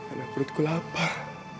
karena perutku lapar